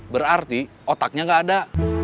berarti otaknya gak ada